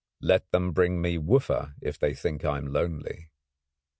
Let them bring me Wooffa if they think I am lonely.